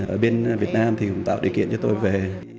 ở bên việt nam thì cũng tạo điều kiện cho tôi về